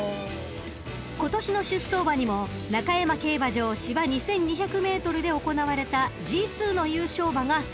［今年の出走馬にも中山競馬場芝２，２００ｍで行われたＧⅡの優勝馬が３頭います］